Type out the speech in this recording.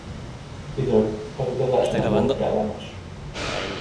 Bizony, az utazás nem volt kellemes.